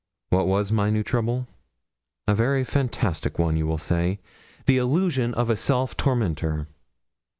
What was my new trouble? A very fantastic one, you will say the illusion of a self tormentor.